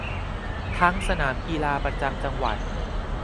ทั้งสนามกีฬาประจำจังหวัด